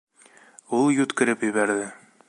Ул йүткереп ебәрҙе.